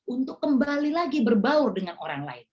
untuk kembali lagi berbaur dengan orang lain